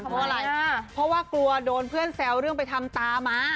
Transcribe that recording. เพราะว่าอะไรเพราะว่ากลัวโดนเพื่อนแซวเรื่องไปทำตาม้า